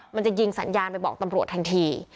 มันจะยิงสัญญาณไปบอกตำรวจทันที